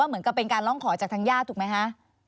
เหมือนกับเป็นการร้องขอจากทางญาติถูกไหมคะ